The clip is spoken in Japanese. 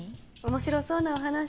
面白そうなお話！